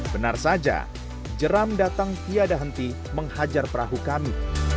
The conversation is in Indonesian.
benar saja jeram datang tiada henti menghajar perahu kami